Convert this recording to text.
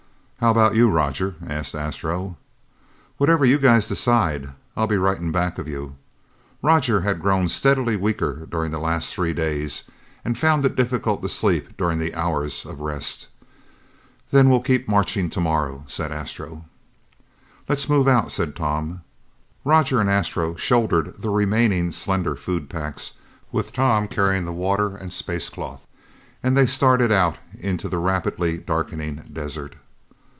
"How about you, Roger?" asked Astro. "Whatever you guys decide, I'll be right in back of you." Roger had grown steadily weaker during the last three days and found it difficult to sleep during the hours of rest. "Then we'll keep marching tomorrow," said Astro. "Let's move out," said Tom. Roger and Astro shouldered the remaining slender food packs, with Tom carrying the water and space cloth, and they started out into the rapidly darkening desert.